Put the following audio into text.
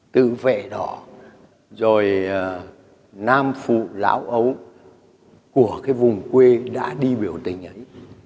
tự vệ đỏ rồi nam phụ lão ấu của cái vùng quê đã đi biểu tình ấy